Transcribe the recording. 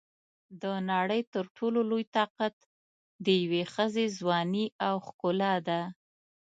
د نړۍ تر ټولو لوی طاقت د یوې ښځې ځواني او ښکلا ده.